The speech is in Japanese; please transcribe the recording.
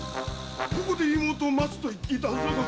ここで「妹を待つ」と言っていたはずだが。